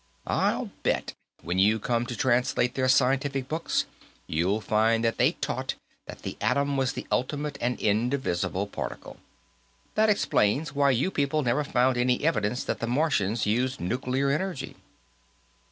I'll bet, when you come to translate their scientific books, you'll find that they taught that the atom was the ultimate and indivisible particle. That explains why you people never found any evidence that the Martians used nuclear energy."